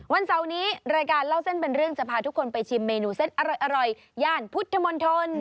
เสาร์นี้รายการเล่าเส้นเป็นเรื่องจะพาทุกคนไปชิมเมนูเส้นอร่อยย่านพุทธมนตร